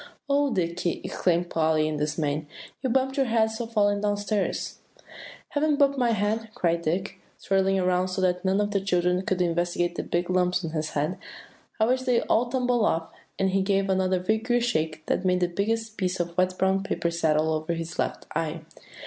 "O Dicky!" exclaimed Polly in dismay, "you've bumped your head so falling down stairs." "Haven't bumped my head," cried Dick, whirling around so that none of the children could investigate the big lumps on his head. "I wish they'd all tumble off;" and he gave another vigorous shake, that made the biggest piece of wet brown paper settle over his left eye.